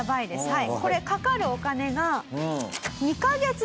はい。